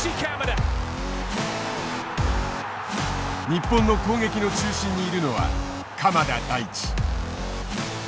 日本の攻撃の中心にいるのは鎌田大地。